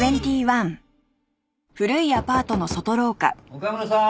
岡村さん？